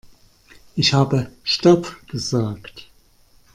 Ich habe stopp gesagt.